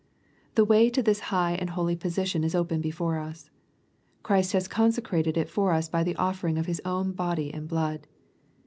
The way to this high and holy position is open before us. Christ has consecrated it for us by the offering of His own body and blood.